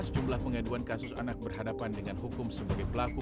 sejumlah pengaduan kasus anak berhadapan dengan hukum sebagai pelaku